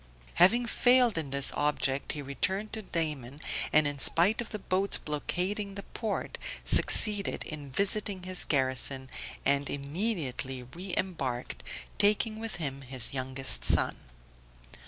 Having failed in this object he returned to Daman, and in spite of the boats blockading the port, succeeded in visiting his garrison, and immediately re embarked, taking with him his youngest son.